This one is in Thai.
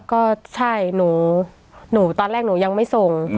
ก็ใช่หนูตอนแรกหนูยังไม่ส่ง